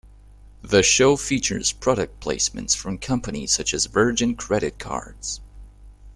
The show features product placements from companies such as Virgin Credit Cards.